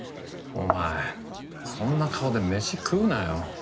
お前そんな顔でメシ食うなよ。